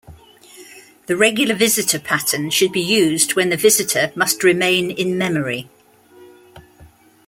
The regular visitor pattern should be used when the visitor must remain in memory.